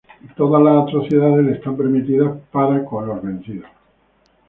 Todas las atrocidades les están permitidas para con los vencidos.